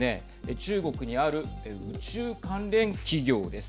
中国にある宇宙関連企業です。